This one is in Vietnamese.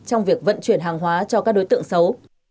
trong việc vận chuyển hàng hóa cho các đối tượng xấu